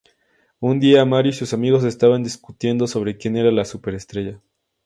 Un día Mario y sus amigos estaban discutiendo sobre quien era la súper estrella.